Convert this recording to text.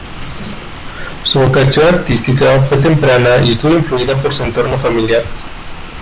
Su vocación artística fue temprana y estuvo influida por su entorno familiar.